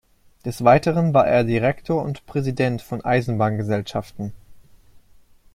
Des Weiteren war er Direktor und Präsident von Eisenbahngesellschaften.